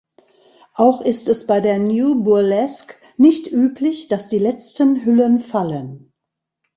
Auch ist es bei der New Burlesque nicht üblich, dass die letzten Hüllen fallen.